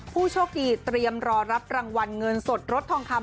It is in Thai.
ผู้โชคดีเตรียมรอรับรางวัลเงินสดรสทองคำ